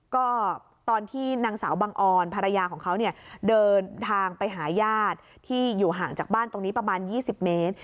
ก็ตอนที่นางสาวบังออนภรรยาของเขาเนี่ยเดินทางไปหาญาติที่อยู่ห่างจากบ้านตรงนี้ประมาณ๒๐เมตร